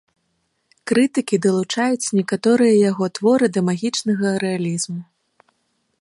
Крытыкі далучаюць некаторыя яго творы да магічнага рэалізму.